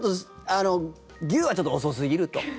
牛はちょっと遅すぎると。